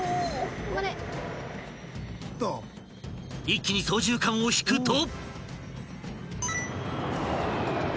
［一気に操縦かんを引くと］